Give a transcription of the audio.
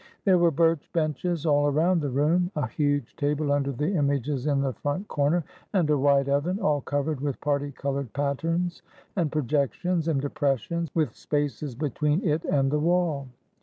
There were birch benches all around the room, a huge table under the images in the front corner, and a wide oven, all covered with party colored patterns, and pro jections, and depressions, with spaces between it and the wall.